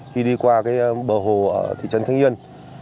khi đi qua bờ hồ ở thị trấn thanh yên